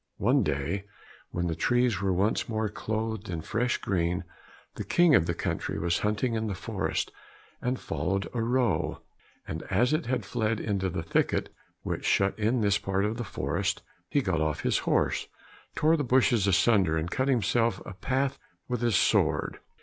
One day, when the trees were once more clothed in fresh green, the King of the country was hunting in the forest, and followed a roe, and as it had fled into the thicket which shut in this part of the forest, he got off his horse, tore the bushes asunder, and cut himself a path with his sword.